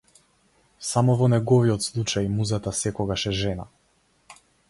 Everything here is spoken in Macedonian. Само во неговиот случај музата секогаш е жена.